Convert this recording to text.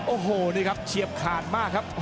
โอ้โหนี่ครับเฉียบขาดมากครับ